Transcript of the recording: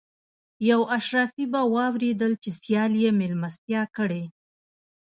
یو اشرافي به واورېدل چې سیال یې مېلمستیا کړې.